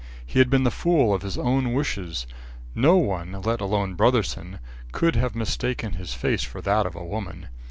He had been the fool of his own wishes. No one, let alone Brotherson, could have mistaken his face for that of a woman.